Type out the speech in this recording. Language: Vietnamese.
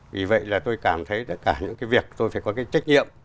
vì vậy là tôi cảm thấy cả những cái việc tôi phải có cái trách nhiệm